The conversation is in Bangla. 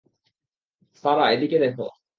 সারা এদিকে দেখো।